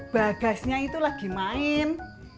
bagasnya itu lagi main